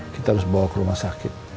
kita harus bawa ke rumah sakit